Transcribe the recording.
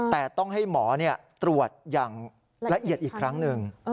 แต่ต้องให้หมอตรวจอย่างละเอียดอีกครั้งหนึ่ง